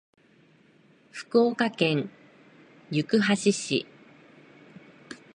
福岡県行橋市